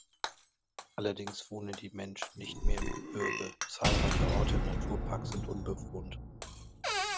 Allerdings wohnen die Menschen nicht mehr im Gebirge, zahlreiche Orte im Naturpark sind unbewohnt.